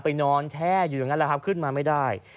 นอนแช่อยู่อย่างนั้นแหละครับขึ้นมาไม่ได้